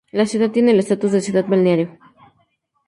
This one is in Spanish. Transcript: La ciudad tiene el estatus de ciudad balneario.